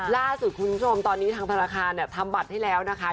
ล่าสุดคุณผู้ชมตอนนี้ทางธนาคารทำบัตรให้แล้วนะคะ